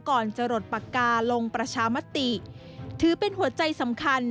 ก่อนจะหลดปากกาลงประชามติถือเป็นหัวใจสำคัญ